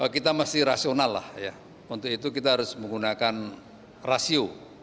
kita mesti rasional lah ya untuk itu kita harus menggunakan rasio